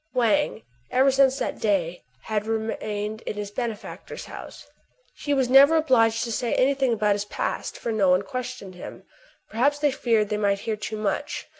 Wang, ever since that day, had remained in his benefactor's house. He was never obliged to say any thing about his past ; for no one questioned him. Perhaps they feared they might hear too much.